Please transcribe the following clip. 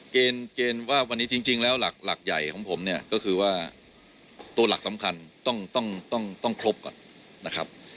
เกณฑ์ว่าวันนี้จริงแล้วหลักใหญ่ของผมเนี่ยก็คือว่าตัวหลักสำคัญต้องครบก่อนนะครับ